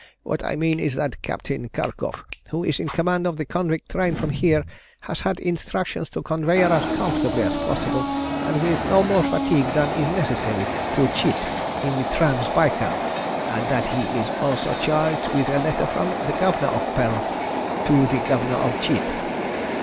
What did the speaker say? What I mean is that Captain Kharkov, who is in command of the convict train from here, has had instructions to convey her as comfortably as possible, and with no more fatigue than is necessary, to Tchit, in the Trans Baikal, and that he is also charged with a letter from the Governor of Perm to the Governor of Tchit.